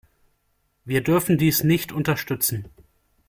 Wir dürfen dies nicht unterstützen.